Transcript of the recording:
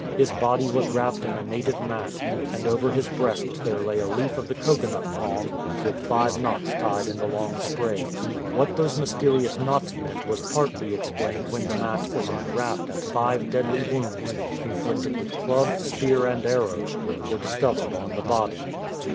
His body was wrapped in a native mat, and over his breast there lay a leaf of the cocoa nut palm, with five knots tied in the long sprays. What those mysterious knots meant was partly explained when the mat was unwrapped and five deadly wounds, inflicted with club, spear, and arrows, were discovered on the body.